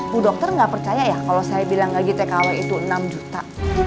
bu dokter ga percaya ya kalo saya bilang gaji tkw itu enam juta